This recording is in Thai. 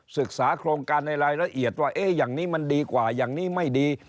ศึกษาโครงการในรายละเอียดว่าอย่างนี้มันดีกว่าอย่างนี้ไม่ดี